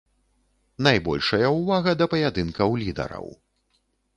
Найбольшая ўвага да паядынкаў лідараў.